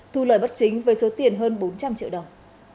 thu lời bất chính với số tiền hơn bốn trăm linh triệu đồng